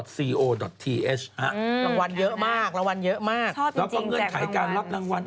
ชอบจริงแจกรางวัลแล้วก็เงื่อนไขการรับรางวัล